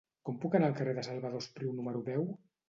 Com puc anar al carrer de Salvador Espriu número deu?